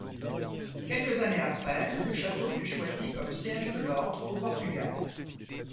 Quelques années après, le château fut choisi comme siège de l'ordre au Portugal.